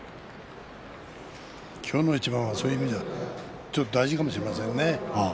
今日の一番はそういう意味では大事かもしれませんね。